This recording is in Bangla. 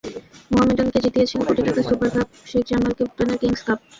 মোহামেডানকে জিতিয়েছেন কোটি টাকার সুপার কাপ, শেখ জামালকে ভুটানের কিংস কাপ।